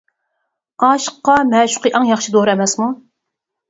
ئاشىققا-مەشۇقى ئەڭ ياخشى دورا ئەمەسمۇ؟ .